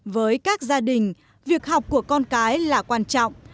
với các gia đình việc học của con cái là quan trọng